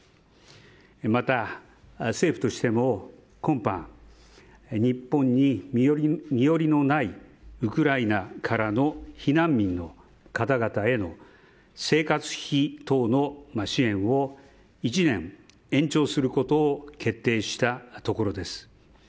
また、政府としても今般日本に身寄りのないウクライナからの避難民の方々への生活費等の支援を１年延長することを決定したところです。